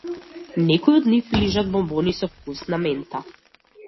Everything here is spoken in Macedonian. Некои од нив лижат бонбони со вкус на мента.